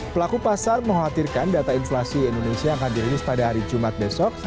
pelaku pasar mengkhawatirkan data inflasi indonesia akan dirilis pada hari jumat besok